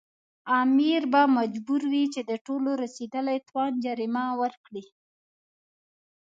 امیر به مجبور وي چې د ټولو رسېدلي تاوان جریمه ورکړي.